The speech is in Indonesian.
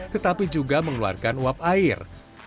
tetapi juga mengeluarkan uap air